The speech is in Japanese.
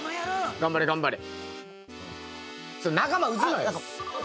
頑張れ頑張れ！